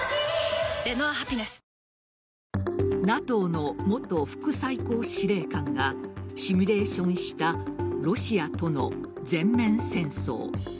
ＮＡＴＯの元副最高司令官がシミュレーションしたロシアとの全面戦争。